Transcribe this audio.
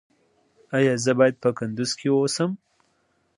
ایا زه باید په کندز کې اوسم؟